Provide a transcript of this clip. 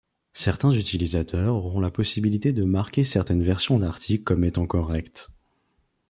Certains utilisateurs auront la possibilité de marquer certaines versions d’articles comme étant correctes.